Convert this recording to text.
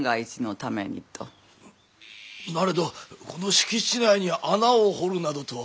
なれどこの敷地内に穴を掘るなどとは。